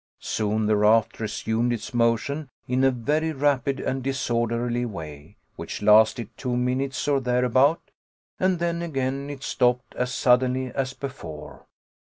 Soon the raft resumed its motion, in a very rapid and disorderly way, which lasted two minutes or thereabout; and then again it stopped as suddenly as before.